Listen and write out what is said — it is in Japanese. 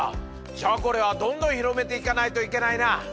じゃあこれはどんどん広めていかないといけないな！